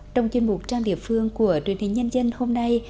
trong chương trình trang địa phương của truyền hình nhân dân hôm nay